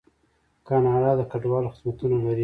کاناډا د کډوالو خدمتونه لري.